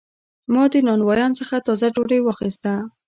ما د نانوان څخه تازه ډوډۍ واخیسته.